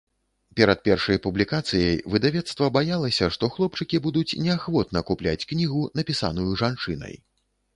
Перад першай публікацыяй выдавецтва баялася, што хлопчыкі будуць неахвотна купляць кнігу, напісаную жанчынай.